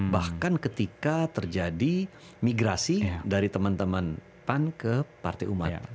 bahkan ketika terjadi migrasi dari teman teman pan ke partai umat